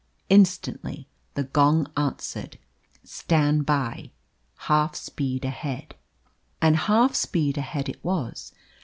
Instantly the gong answered, "Stand by." "Half speed ahead." And half speed ahead it was.